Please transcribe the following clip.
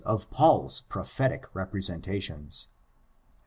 557 of Paul's prophetic representatioDfl.